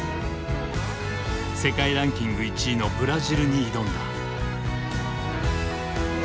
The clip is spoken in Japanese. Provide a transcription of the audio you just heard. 世界ランキング１位のブラジルに挑んだ。